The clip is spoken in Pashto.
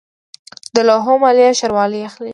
د لوحو مالیه ښاروالۍ اخلي